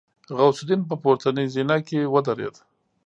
غوث الدين په پورتنۍ زينه کې ودرېد.